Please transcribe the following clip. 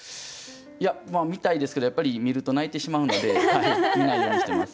いや見たいですけどやっぱり見ると泣いてしまうので見ないようにしてます。